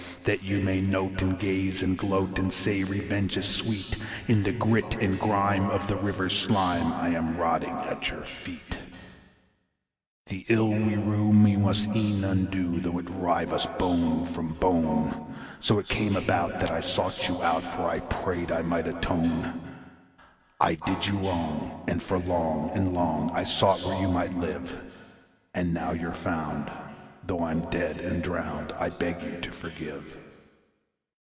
That you may note and gaze and gloat, and say 'Revenge is sweet', In the grit and grime of the river's slime I am rotting at your feet. "The ill we rue we must e'en undo, though it rive us bone from bone; So it came about that I sought you out, for I prayed I might atone. I did you wrong, and for long and long I sought where you might live; And now you're found, though I'm dead and drowned, I beg you to forgive."